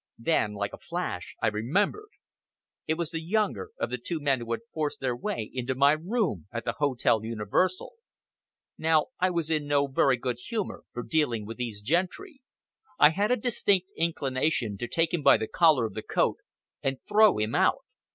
Then, like a flash, I remembered. It was the younger of the two men who had forced their way into my room at the Hotel Universal. Now I was in no very good humor for dealing with these gentry. I had a distinct inclination to take him by the collar of the coat and throw him out.